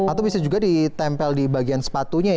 atau bisa juga ditempel di bagian sepatunya